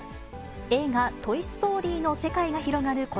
映画、トイ・ストーリーの世界が広がる